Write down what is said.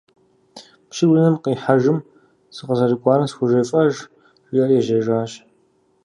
Пщыр унэм къихьэжым сыкъызэрыкӀуар схужефӏэж, жиӀэри ежьэжащ.